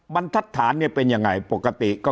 มันทัศนเป็นอย่างไรปกติ